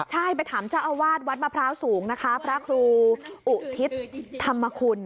ใช่ไปถามเจ้าอาวาสวัดมะพร้าวสูงนะคะพระครูอุทิศธรรมคุณ